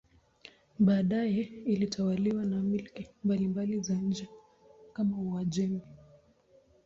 Baadaye ilitawaliwa na milki mbalimbali za nje kama Uajemi.